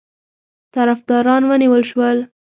طرفداران ونیول شول.